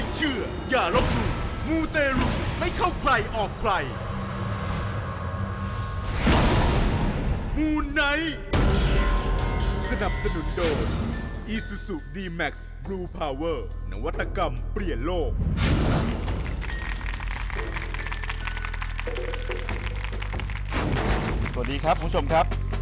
สวัสดีครับคุณผู้ชมครับ